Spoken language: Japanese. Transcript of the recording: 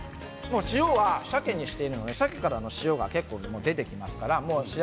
塩は、さけにしているのでそこから味が結構してきます。